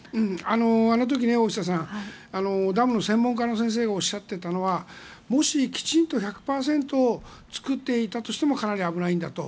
あの時、大下さんダムの専門家がおっしゃっていたのはもし１００％で作っていたとしてもかなり危ないんだと。